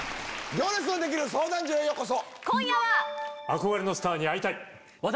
『行列のできる相談所』へようこそ。